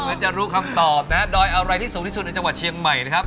แล้วจะรู้คำตอบนะฮะดอยอะไรที่สูงที่สุดในจังหวัดเชียงใหม่นะครับ